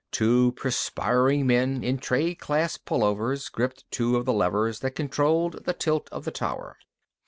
Two perspiring men in trade class pullovers gripped two of the levers that controlled the tilt of the tower.